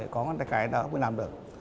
có ngón tay cái đó mới làm được